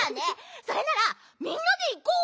それならみんなでいこう！